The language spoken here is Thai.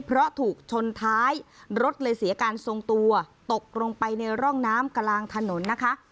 เพราะถูกชนท้ายรถเลยเสียการทรงตัวตกลงไปในร่องน้ำกลางถนนนะคะ